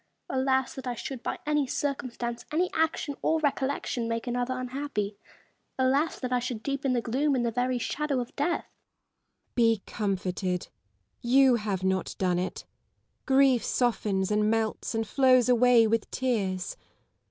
Alas that I should, by any circumstance, any action, or recollection, make another unhappy ! Alas that I should deepen the gloom in the very shadow of death ! Elizabeth Gaunt. Be comforted : you have not done it. Grief softens and melts and flows away with tears.